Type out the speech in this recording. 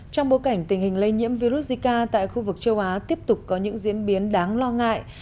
trong bối cảnh tình hình lây nhiễm virus zika tại khu vực châu á tiếp tục có những diễn biến đáng lo ngại